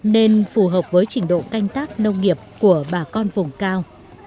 nên phù hợp với trình độ canh tác nông nghiệp của bà con vùng cao